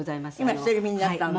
今独り身になったのね。